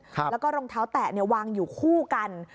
แล้วก็รองเท้าแตะเนี่ยวางอยู่คู่กัน